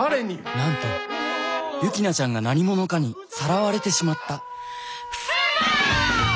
なんとユキナちゃんが何者かにさらわれてしまった。